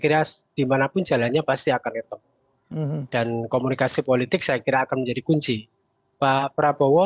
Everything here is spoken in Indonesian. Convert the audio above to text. kira dimanapun jalannya pasti akan letup dan komunikasi politik saya kira akan menjadi kunci pak prabowo